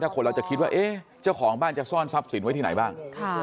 คนเราจะคิดว่าเจ้าของบ้านจะซ่อนทรัพย์สินไว้ที่ไหนบ้าง